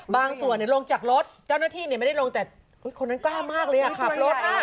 บางส่วนลงจากรถเจ้าหน้าที่ไม่ได้ลงแต่คนนั้นกล้ามากเลยอ่ะขับรถ